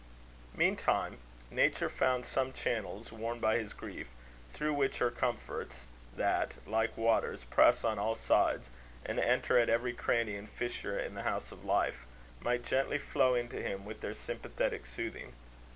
Meantime, nature found some channels, worn by his grief, through which her comforts, that, like waters, press on all sides, and enter at every cranny and fissure in the house of life, might gently flow into him with their sympathetic soothing.